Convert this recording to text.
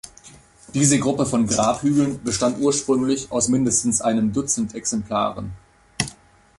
Diese Gruppe von Grabhügeln bestand ursprünglich aus mindestens einem Dutzend Exemplaren.